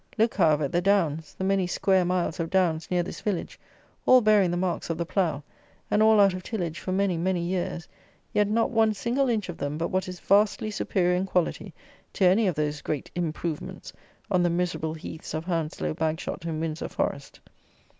Look, however, at the downs, the many square miles of downs near this village, all bearing the marks of the plough, and all out of tillage for many many years; yet, not one single inch of them but what is vastly superior in quality to any of those great "improvements" on the miserable heaths of Hounslow, Bagshot, and Windsor Forest.